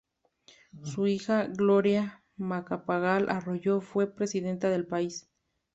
Su hija, Gloria Macapagal Arroyo, fue presidenta del país.